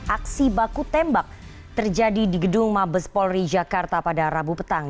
aksi baku tembak terjadi di gedung mabes polri jakarta pada rabu petang